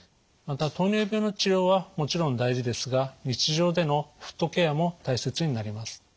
また糖尿病の治療はもちろん大事ですが日常でのフットケアも大切になります。